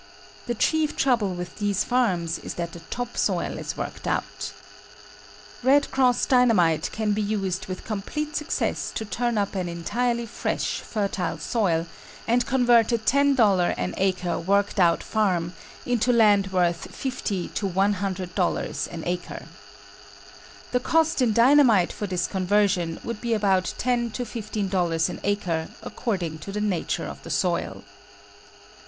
The chief trouble with these farms is that the top soil is worked out. "Red Cross" Dynamite can be used with complete success to turn up an entirely fresh, fertile soil, and convert a $10 an acre "worked out farm" into land worth $50 to $100 an acre. The cost in dynamite for this conversion would be about $10 to $15 an acre according to the nature of the soil.